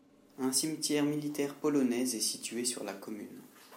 Un cimetière militaire polonais est situé sur la commune.